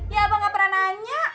ya abang gak pernah nanya